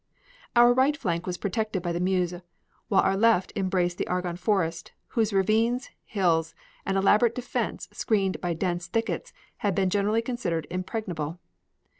Our right flank was protected by the Meuse, while our left embraced the Argonne Forest whose ravines, hills, and elaborate defense screened by dense thickets had been generally considered impregnable.